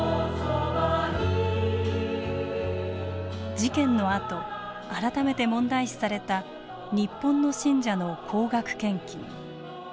事件のあと改めて問題視された日本の信者の高額献金。